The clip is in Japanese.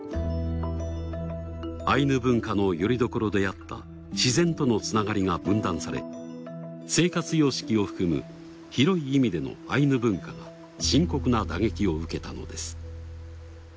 アイヌ文化のよりどころであった自然とのつながりが分断され生活様式を含む広い意味でのアイヌ文化が深刻な打撃を受けたのです。